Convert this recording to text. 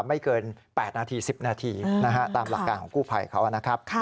ไม่เกิน๘นาที๑๐นาทีตามหลักการของกู้ภัยเขานะครับ